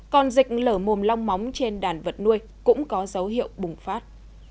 còn dịch lở mồm long móng trên đàn vật nuôi cũng có dấu hiệu bùng phát